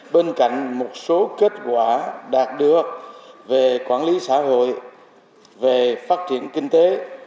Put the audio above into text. bên cạnh một số kết quả đạt được về quản lý xã hội về phát triển kinh tế